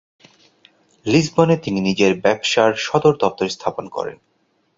লিসবনে তিনি নিজের ব্যবসার সদর দপ্তর স্থাপন করেন।